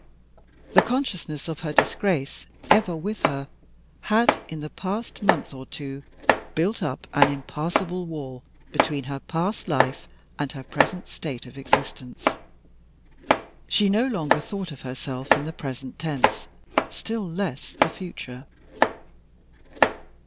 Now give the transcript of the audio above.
The consciousness of her disgrace, ever with her, had, in the past month or two, built up an impassable wall between her past life and her present state of existence. She no longer thought of herself in the present tense, still less the future.